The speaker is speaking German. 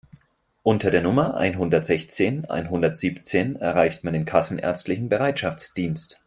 Unter der Nummer einhundertsechzehn einhundertsiebzehn erreicht man den kassenärztlichen Bereitschaftsdienst.